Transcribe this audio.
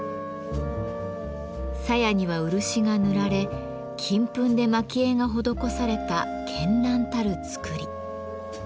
鞘には漆が塗られ金粉で蒔絵が施された絢爛たる作り。